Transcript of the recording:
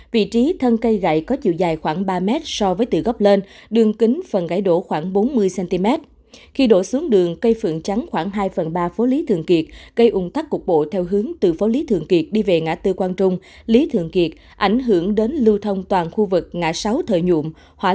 vị trí thân cây gãy có chiều dài khoảng ba mét so với tựa góc lên đường kính phần gãy đổ khoảng bốn mươi cm